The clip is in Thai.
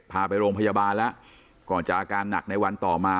พาไปโรงพยาบาลแล้วก่อนจะอาการหนักในวันต่อมา